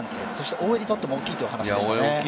大江にとっても大きいという話でしたね。